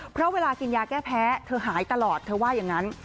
เพราะเวลากินยาแก้แพ้เธอหายตลอดเธอว่าอย่างนั้น